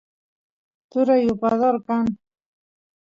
turay yupador kan